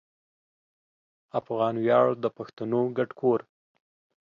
افغان ویاړ د پښتنو ګډ کور